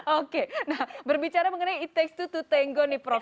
oke berbicara mengenai it takes two to tengo nih prof